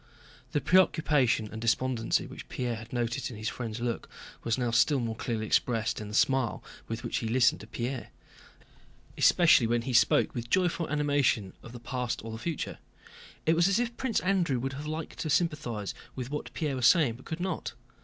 The preoccupation and despondency which Pierre had noticed in his friend's look was now still more clearly expressed in the smile with which he listened to Pierre, especially when he spoke with joyful animation of the past or the future. It was as if Prince Andrew would have liked to sympathize with what Pierre was saying, but could not.